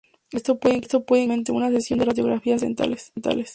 Esto puede incluir anualmente, una sesión de radiografías dentales.